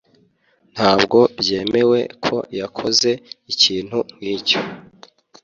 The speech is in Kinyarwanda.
Ntabwo byemewe ko yakoze ikintu nkicyo